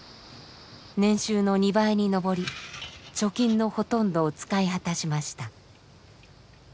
年収の２倍に上り貯金のほとんどを使い果たしました。